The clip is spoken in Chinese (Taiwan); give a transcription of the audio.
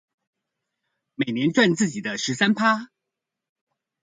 每年賺自己的十三趴